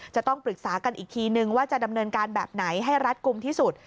จะต้องปรึกษากันอีกทีนึงว่าจะดำเนินการแบบไหนให้รัดกลุ่มที่สุด